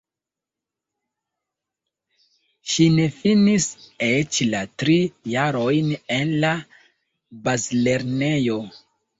Ŝi ne finis eĉ la tri jarojn en la bazlernejo.